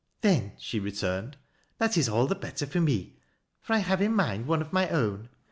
" Then," she returned, " that is all the better for me, fOT I have in my mind one of my own.